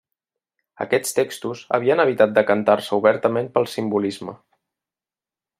Aquests textos havien evitat decantar-se obertament pel simbolisme.